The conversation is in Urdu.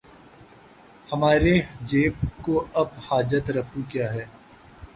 ہمارے جیب کو اب حاجت رفو کیا ہے